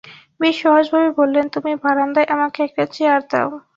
বেশ সহজভাবে বললেন, তুমি বারান্দায় আমাকে একটা চেয়ার দাও।